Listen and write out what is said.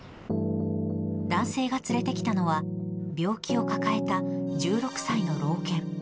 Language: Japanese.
男性が連れてきたのは、病気を抱えた１６歳の老犬。